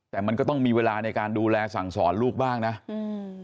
แต่มันก็ต้องมีเวลาในการดูแลสั่งสอนลูกบ้างนะอืม